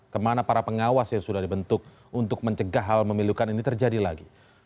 kemana para pengawas yang sudah dibentuk untuk mencegah hal memilukan ini terjadi lagi